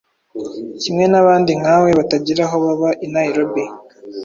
kimwe n'abandi nkawe batagira aho baba i nairobi